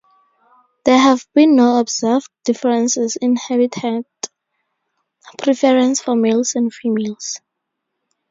There have been no observed differences in habitat preference for males and females.